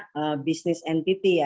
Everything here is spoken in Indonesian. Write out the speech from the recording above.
banyak bisnis entiti ya